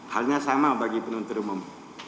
halnya sama bagi penuntut umum